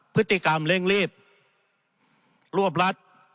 พฤติกรรมเร่งรีบรวบรัด